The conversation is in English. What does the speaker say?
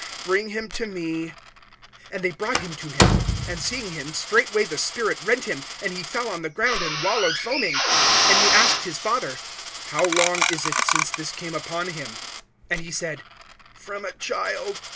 Bring him to me. (20)And they brought him to him. And seeing him, straightway the spirit rent him; and he fell on the ground, and wallowed foaming. (21)And he asked his father: How long is it, since this came upon him? And he said: From a child.